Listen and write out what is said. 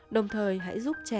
đồng thời hãy giúp trẻ